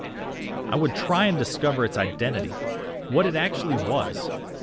I would try and discover its identity what it actually was!